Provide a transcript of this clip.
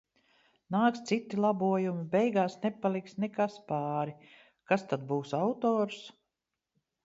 Nāks citi labojumi, beigās nepaliks nekas pāri, kas tad būs autors?